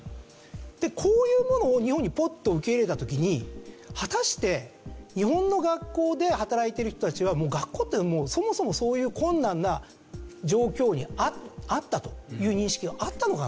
こういうものを日本にポッと受け入れた時に果たして日本の学校で働いてる人たちは学校ってそもそもそういう困難な状況にあったという認識があったのかなと。